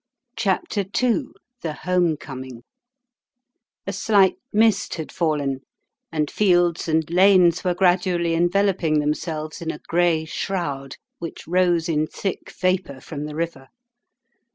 CHAPTER n THE HOME COMING A SLIGHT mist had fallen, and fields and lanes were gradually enveloping themselves in a gray shroud which rose in thick vapour from the river.